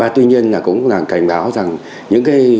tuy nhiên cũng cảnh báo rằng